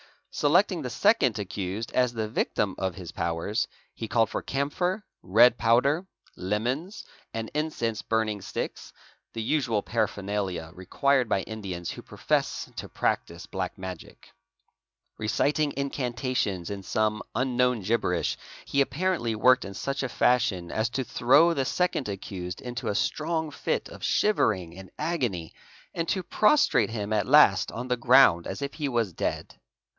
Selecting the second accused as the victim of his "powers, he ealled for camphor, red powder, lemons, and incense burning : icks , the usual paraphernalia required by Indians who profess to practise = 51 eat a, 402 SUPERSTITION black magic. Reciting incantations in some unknown, gibberish, he apparently worked in such a fashion as to throw the second accused into a strong fit of shivering and agony, and to prostrate him at last on the ground as if he was dead.